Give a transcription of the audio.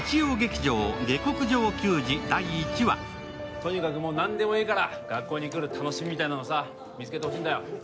とにかくもう、何でもいいから学校に来る楽しみみたいなのをさ、見つけてほしいんだよ。